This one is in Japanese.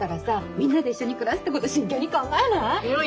みんなで一緒に暮らすってこと真剣に考えない？